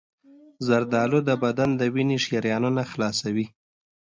زردآلو د بدن د وینې شریانونه خلاصوي.